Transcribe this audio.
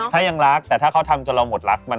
ถ้ายังรักแต่ถ้าเขาทำจนเราหมดรัก